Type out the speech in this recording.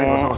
eh gak usah